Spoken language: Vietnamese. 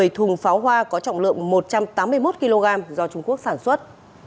một mươi thùng pháo hoa có trọng lượng một trăm tám mươi một kg do trung quốc sản xuất